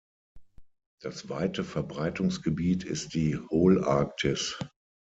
Das weite Verbreitungsgebiet ist die Holarktis.